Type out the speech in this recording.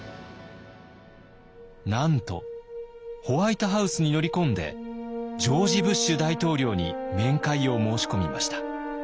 なんとホワイトハウスに乗り込んでジョージ・ブッシュ大統領に面会を申し込みました。